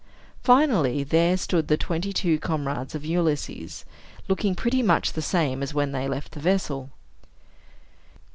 Finally, there stood the twenty two comrades of Ulysses, looking pretty much the same as when they left the vessel.